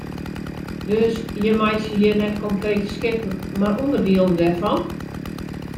Dus jim meitsje hjir net komplete skippen mar ûnderdielen dêrfan?